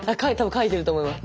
かいてると思います。